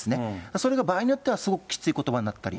それが場合によっては、すごくきついことばになったり。